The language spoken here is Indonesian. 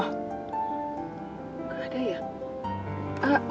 nggak ada ya